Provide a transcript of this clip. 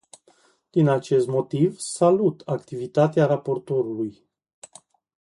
Din acest motiv, salut activitatea raportorului.